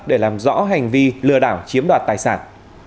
để làm rõ hành vi lừa đảo chiếm đoạt tài sản